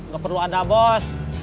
gak perlu ada bos